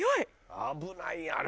危ないあれ。